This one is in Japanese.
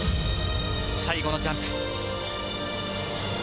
最後のジャンプ。